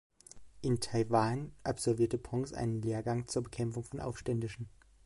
In Taiwan absolvierte Ponce einen Lehrgang zur Bekämpfung von Aufständischen.